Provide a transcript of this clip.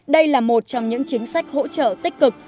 đây là một trong những chính sách hỗ trợ tích cực